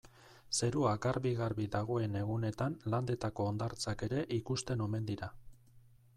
Zerua garbi-garbi dagoen egunetan Landetako hondartzak ere ikusten omen dira.